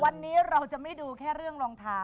วันนี้เราจะไม่ดูแค่เรื่องรองเท้า